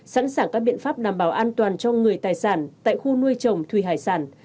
sẵn sàng các biện pháp đảm bảo an toàn cho người tài sản tại khu nuôi trồng thủy hải sản